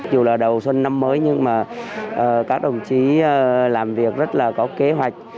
dù là đầu xuân năm mới nhưng mà các đồng chí làm việc rất là có kế hoạch